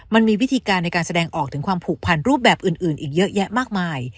มันมีวิธีการในการแสดงออกถึงความผูกพันรูปแบบอื่นอีกเยอะแยะมากมาย